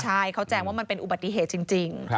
ใช่เขาแจ้งว่ามันเป็นอุบัติเหตุจริง